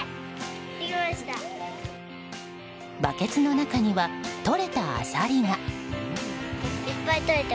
バケツの中にはとれたアサリが。